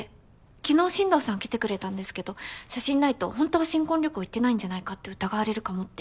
昨日進藤さん来てくれたんですけど写真ないとほんとは新婚旅行行ってないんじゃないかって疑われるかもって。